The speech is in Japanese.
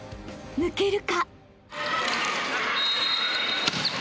［抜けるか！？］